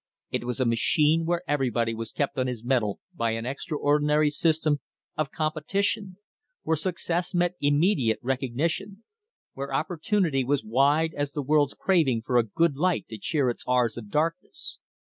It was a machine where everybody was kept on his mettle by an extraordinary system of competition, where success met immediate recognition, where opportunity was wide as the world's craving for a good light to cheer its hours of darkness.